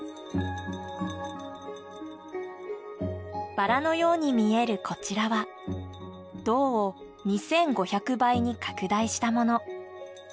バラのように見えるこちらは銅を２５００倍に拡大したもの。